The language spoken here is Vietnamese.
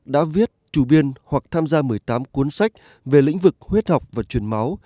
đã viết chủ biên hoặc tham gia một mươi tám cuốn sách về lĩnh vực huyết học và truyền máu